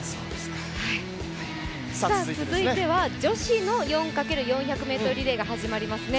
続いては女子の４×４００ｍリレーが始まりますね。